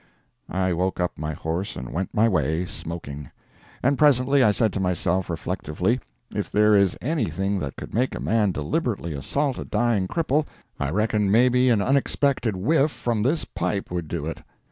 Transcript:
I woke up my horse and went my way, smoking. And presently I said to myself reflectively, "If there is anything that could make a man deliberately assault a dying cripple, I reckon may be an unexpected whiff from this pipe would do it."